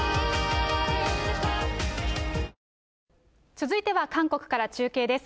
続いては韓国から中継です。